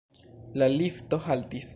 La lifto haltis.